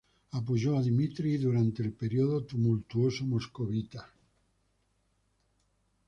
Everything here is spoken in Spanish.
Apoyó a Dimitri I durante el Período Tumultuoso moscovita.